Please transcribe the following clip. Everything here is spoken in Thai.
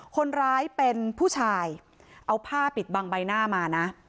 คนร้ายเป็นผู้ชายเอาผ้าปิดบังใบหน้ามานะ